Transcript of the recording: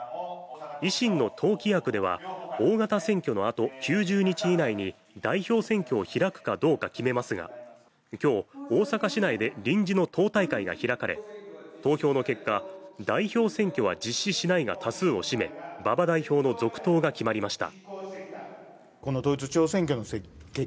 維新の党規約では、大型選挙のあと９０日以内に代表選挙を開くかどうか決めますが今日、大阪市内で臨時の党大会が開かれ、投票の結果、代表選挙は実施しないが多数を占め、馬場代表の続投が決まりました。